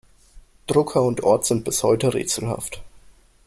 Drucker und Ort sind bis heute rätselhaft.